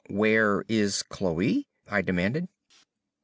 "Where is Chloe?" I demanded.